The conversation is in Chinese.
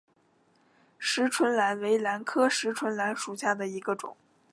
匙唇兰为兰科匙唇兰属下的一个种。